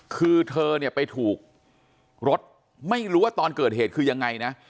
คือเธอเนี่ยไปถูกรถไม่รู้ว่าตอนเกิดเหตุคือยังไงนะ